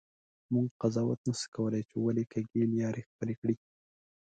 مونږ قضاوت نسو کولی چې ولي کږې لیارې خپلي کړي.